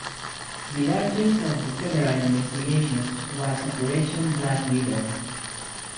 The largest of the federal investigations was Operation Black Widow.